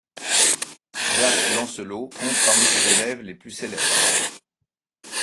Jacques Lancelot compte parmi ses élèves les plus célèbres.